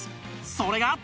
それが